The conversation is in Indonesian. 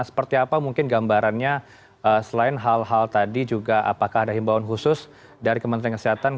seperti apa mungkin gambarannya selain hal hal tadi juga apakah ada himbauan khusus dari kementerian kesehatan